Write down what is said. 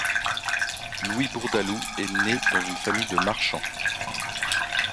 Louis Bourdaloue est né dans une famille de marchands.